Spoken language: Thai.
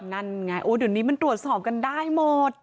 นั่นไงเดี๋ยวนี้มันตรวจสอบกันได้หมด